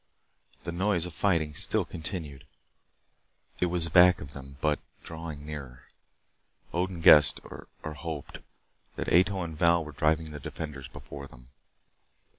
The noise of fighting still continued. It was back of them, but drawing nearer. Odin guessed or hoped that Ato and Val were driving the defenders before them.